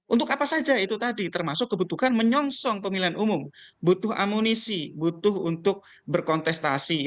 untuk apa saja itu tadi termasuk kebutuhan menyongsong pemilihan umum butuh amunisi butuh untuk berkontestasi